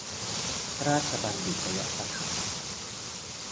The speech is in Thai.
ราชบัญฑิตยสถาน